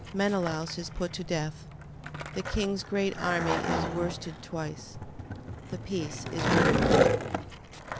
Menelaus is put to death. The king's great army is worsted twice. The peace is renewed.